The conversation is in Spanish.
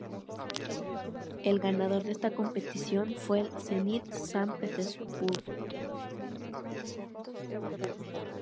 El ganador de esta competición fue el Zenit San Petersburgo.